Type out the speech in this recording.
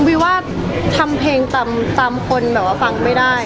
วิวว่าทำเพลงตามคนฟังไม่ได้